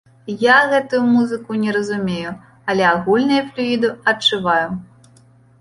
Я гэтую музыку не разумею, але агульныя флюіды адчуваю.